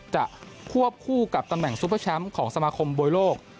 ควบคู่กับตำแหน่งซุปเปอร์แชมป์ของสมาคมมวยโลก